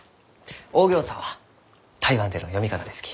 「オーギョーツァン」は台湾での読み方ですき。